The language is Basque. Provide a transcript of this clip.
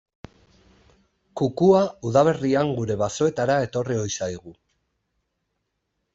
Kukua udaberrian gure basoetara etorri ohi zaigu.